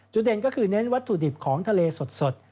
เด่นก็คือเน้นวัตถุดิบของทะเลสด